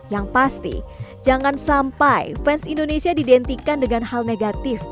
yang pasti jangan sampai fans indonesia didentikan dengan hal negatif